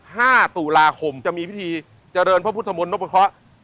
ห้าตุลาคมจะมีพิธีเจริญพระพุทธมนต์นพเคาะ